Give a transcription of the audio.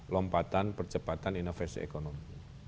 lompatan percepatan inovasi ekonomi